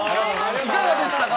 いかがでしたか？